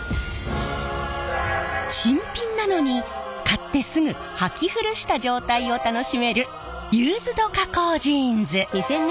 新品なのに買ってすぐはき古した状態を楽しめるユーズド加工ジーンズ！